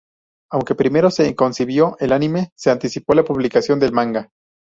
Aunque primero se concibió el anime, se anticipó la publicación del manga.